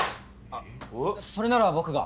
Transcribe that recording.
あっそれなら僕が。